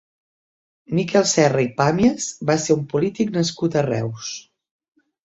Miquel Serra i Pàmies va ser un polític nascut a Reus.